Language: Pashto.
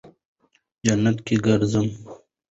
جنت کې گرځېده.